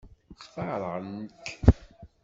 Xtaṛen-k?